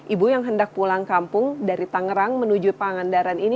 ibu yang hendak pulang kampung dari tangerang menuju pangandaran ini